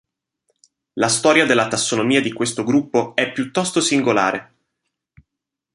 La storia della tassonomia di questo gruppo è piuttosto singolare.